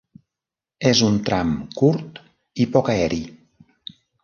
És un tram curt i poc aeri.